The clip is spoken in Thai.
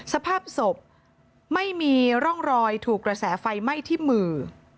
สภาพศพไม่มีร่องรอยถูกกระแสไฟไหม้ที่มือ